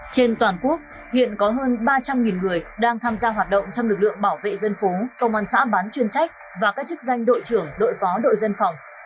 trên toàn quốc hiện có hơn ba trăm linh người đang tham gia hoạt động trong lực lượng bảo vệ dân phố công an xã bán chuyên trách và các chức danh đội trưởng đội phó đội dân phòng